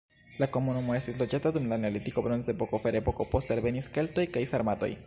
La komunumo estis loĝata dum la neolitiko, bronzepoko, ferepoko, poste alvenis keltoj kaj sarmatoj.